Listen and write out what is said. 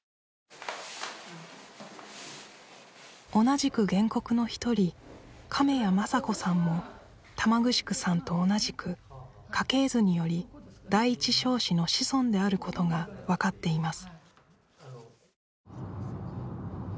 同じく原告の一人亀谷正子さんも玉城さんと同じく家系図により第一尚氏の子孫であることが分かっています